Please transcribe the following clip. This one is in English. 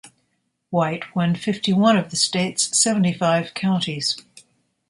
White won fifty-one of the state's seventy-five counties.